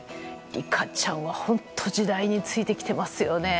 リカちゃんは本当時代についてきてますよね。